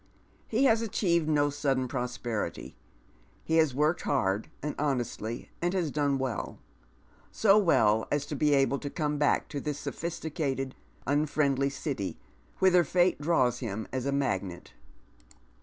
He has achieved no sudden prosperity, he has worked hard and honestly, and has done well ; so well as to be able to come back to this sophisticated, unfriendly city, whither fate draws him as a magnet.